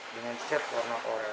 dengan cat warna